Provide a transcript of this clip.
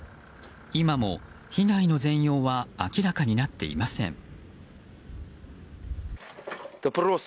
今も被害の全容は明らかになっていません。